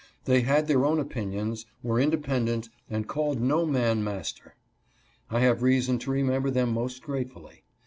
They had their own opinions, were inde pendent, and called no man master. I have reason to remember them most gratefully.